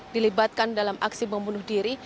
dilibatkan dalam aksi bom bunuh diri